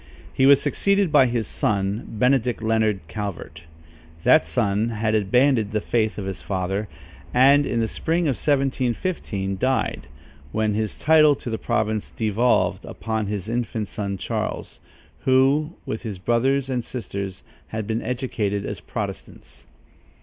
He was succeeded by his son Benedict Leonard Calvert. That son had abandoned the faith of his father and, in the spring of 1715, died, when his title to the province devolved upon his infant son Charles, who, with his brothers and sisters, had been educated as Protestants.